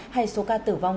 hay số ca tử vong